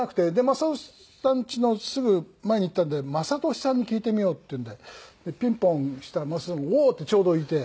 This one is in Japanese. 雅俊さんちのすぐ前に行ったんで雅俊さんに聞いてみようっていうんでピンポンしたら雅俊さん「おお！」ってちょうどいて。